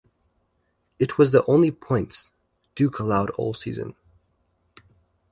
It was the only points Duke allowed all season.